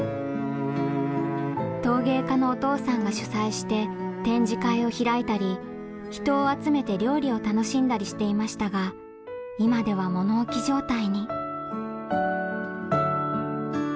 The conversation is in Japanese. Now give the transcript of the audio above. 陶芸家のお父さんが主催して展示会を開いたり人を集めて料理を楽しんだりしていましたが今では物置状態に。